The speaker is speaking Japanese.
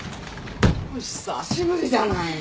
久しぶりじゃないの？